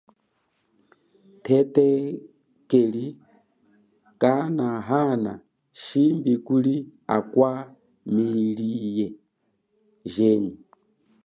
Thetekeli kanahana shimbi kuli akwa miliye jenyi.